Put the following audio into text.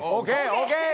ＯＫ！